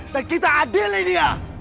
dan kita adilin dia